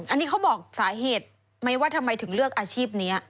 อันนี้เขาบอกสาเหตุไหมว่าทำไมถึงเลือกอาชีพนี้